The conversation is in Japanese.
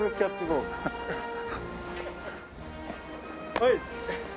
はい。